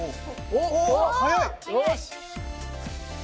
おっ速い。